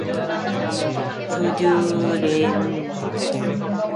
그들은 이렇게 별명을 불러 가며 잡담을 늘어놓곤 하였던 것이다.